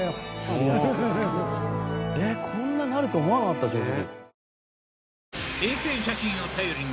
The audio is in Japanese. こんななると思わなかった正直。